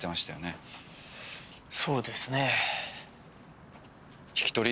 そうですね。